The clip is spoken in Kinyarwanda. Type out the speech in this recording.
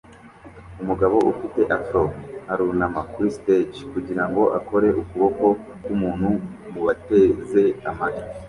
Umugabo ufite afro arunama kuri stage kugirango akore ukuboko k'umuntu mubateze amatwi